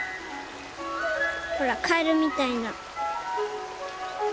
ほらカエルみたいな。